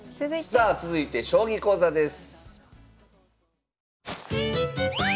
さあ続いて将棋講座です。